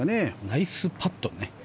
ナイスパット